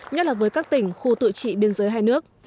nhất là với các tỉnh khu tự trị biên giới hai nước